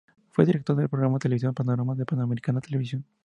Fue director del programa televisivo "Panorama" de Panamericana Televisión.